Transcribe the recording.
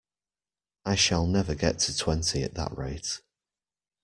I shall never get to twenty at that rate!